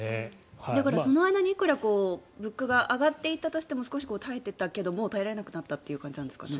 だからその間にいくら物価が上がっていたとしても少し耐えていたけども耐えられなくなったという感じなんですかね。